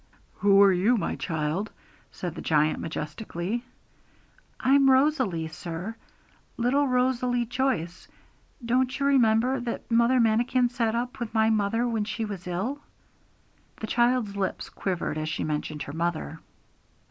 'Who are you, my child?' said the giant majestically. 'I'm Rosalie, sir, little Rosalie Joyce; don't you remember that Mother Manikin sat up with my mother when she was ill?' The child's lips quivered as she mentioned her mother.